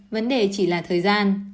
vấn đề chỉ là thời gian